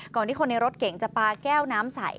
ที่คนในรถเก่งจะปลาแก้วน้ำใส่